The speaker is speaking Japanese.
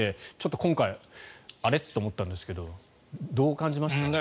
今回あれ？と思ったんですけどどう感じました？